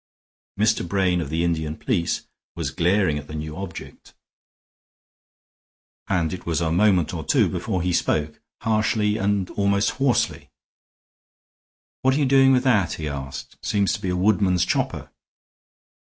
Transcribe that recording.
Mr. Brain of the Indian police was glaring at the new object, and it was a moment or two before he spoke, harshly and almost hoarsely. "What are you doing with that?" he asked. "Seems to be a woodman's chopper."